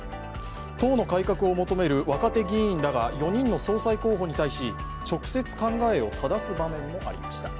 党の改革を求める若手議員らが４人の総裁候補に対し、直接考えをただす場面もありました。